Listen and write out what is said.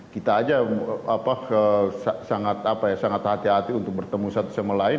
kita aja sangat hati hati untuk bertemu satu sama lain